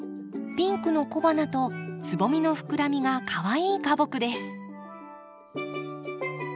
ピンクの小花とつぼみの膨らみがかわいい花木です。